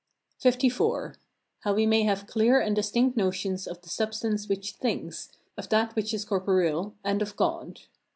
LIV. How we may have clear and distinct notions of the substance which thinks, of that which is corporeal, and of God.